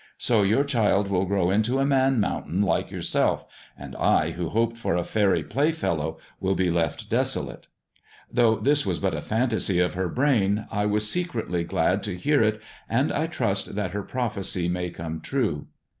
So your child will grow into a man mountain like yourself, and I who hoped for a faery playfellow will be left desolate.' Though this was but a fantasy of her brain, I was secretly glad to hear it, and I trust that her prophecy may come true.